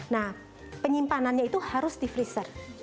nah penyimpanannya itu harus di freezer